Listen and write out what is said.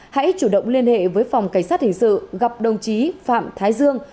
hãy chủ động liên hệ với phòng cảnh sát hình sự gặp đồng chí phạm thái dương